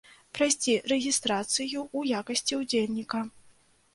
Прайсці рэгістрацыю ў якасці ўдзельніка.